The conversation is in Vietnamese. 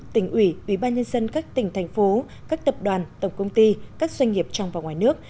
tỉnh ủy ủy ban nhân dân các tỉnh thành phố các tập đoàn tổng công ty các doanh nghiệp trong và ngoài nước